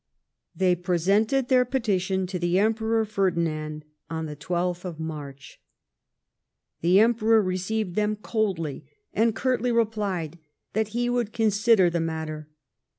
They presented their petition to the Emperor Ferdinand on the 12th of JMarch. The Em])eror received them coldly, and curtly replied that he would consider the matter.